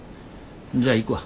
じゃあ行くわ。